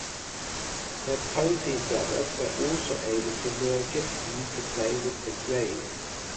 The Posey brothers were also able to lure Gibson to play with the Grays.